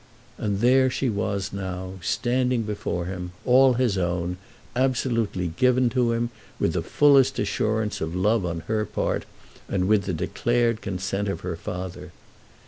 And there she was now, standing before him, all his own, absolutely given to him, with the fullest assurance of love on her part, and with the declared consent of her father.